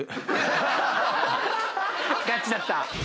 ガチだった！